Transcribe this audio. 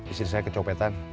isinya saya kecopetan